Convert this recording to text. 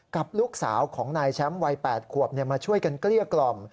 กับลูกสาวของนายแชมป์วัย๘ขวบมาช่วยกันเกลี้ยกล่อม